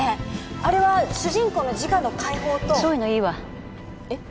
あれは主人公の自我の解放とそういうのいいわえっ？